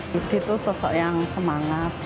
yudi itu sosok yang semangat